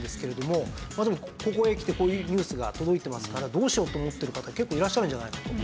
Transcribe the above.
でもここへきてこういうニュースが届いてますからどうしようと思ってる方結構いらっしゃるんじゃないかと。